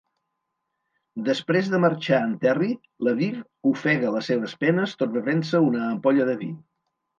Després de marxar en Terry, la Viv ofega les seves penes tot bevent-se una ampolla de vi.